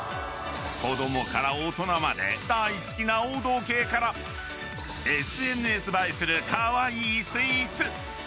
［子供から大人まで大好きな王道系からＳＮＳ映えするカワイイスイーツ］